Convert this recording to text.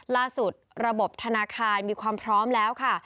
ระบบธนาคารมีความพร้อมแล้วค่ะ